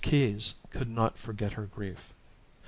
Keyes could not forget her grief.